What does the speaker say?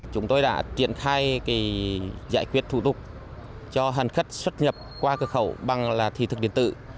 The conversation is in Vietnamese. chúng tôi đã triển khai giải quyết thủ tục cho hành khách xuất nhập qua cửa khẩu bằng thị thực điện tử